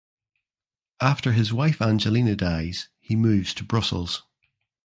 After his wife Angelina dies he moves to Brussels.